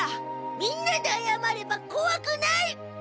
みんなであやまれば怖くない！